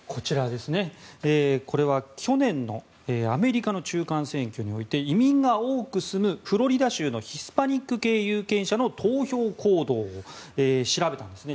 これは去年のアメリカの中間選挙において移民が多く住む、フロリダ州のヒスパニック系有権者の投票行動を調べたんですね。